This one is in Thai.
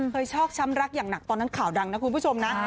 ชอกช้ำรักอย่างหนักตอนนั้นข่าวดังนะคุณผู้ชมนะ